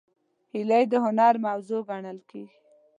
هیلۍ د هنر موضوع ګڼل کېږي